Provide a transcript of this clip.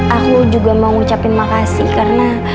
aku juga mau ngucapin makasih karena